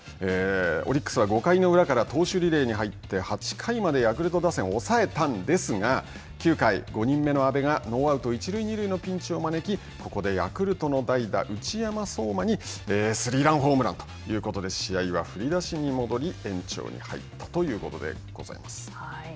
オリックスは５回裏から投手リレーに入って８回までヤクルト打線を抑えたんですが、９回、５人目の阿部がノーアウト、一塁二塁のピンチを招き、ここでヤクルトの代打内山壮真にスリーランホームランということで試合は振り出しに戻り、延長に入ったということでございます。